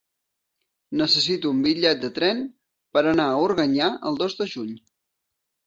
Necessito un bitllet de tren per anar a Organyà el dos de juny.